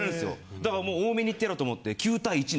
だからもう多めに言ってやろうと思って。